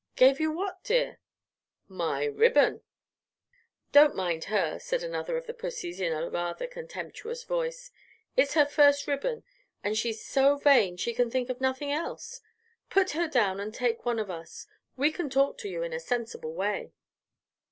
"Gave you what, dear?" "My ribbon." "Don't mind her," said another of the pussys, in a rather contemptuous voice; "it's her first ribbon, and she's so vain she can think of nothing else. Put her down and take one of us; we can talk to you in a sensible way."